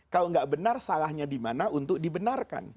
kalau gak benar salahnya dimana untuk dibenarkan